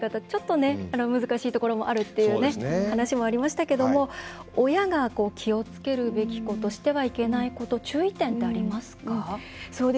ちょっと難しいところもあるっていう話もありましたけれども親が気をつけるべきことしてはいけないこと注意点ってありますか？